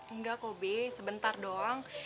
enggak kobi sebentar dong